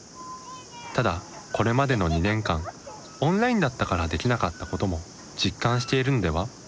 ただこれまでの２年間オンラインだったからできなかったことも実感しているんでは？